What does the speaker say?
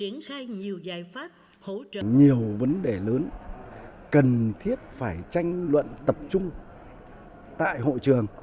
nhiều giải pháp hỗ trợ nhiều vấn đề lớn cần thiết phải tranh luận tập trung tại hội trường